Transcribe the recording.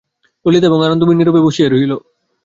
ললিতা এবং আনন্দময়ী নীরবে বসিয়া রহিল।